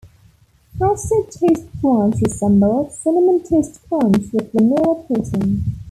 Frosted Toast Crunch resembles Cinnamon Toast Crunch with vanilla coating.